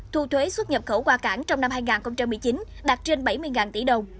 thu thuế xuất nhập khẩu qua cảng trong năm hai nghìn một mươi chín đạt trên bảy mươi tỷ đồng